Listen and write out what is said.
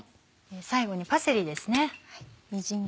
最後にパセリですね。